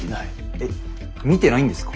え見てないんですか？